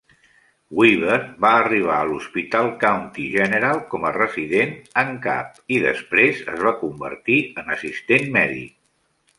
Weaver va arribar a l'hospital County General com a resident en cap i després es va convertir en assistent mèdic.